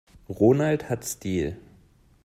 Ronald hat Stil.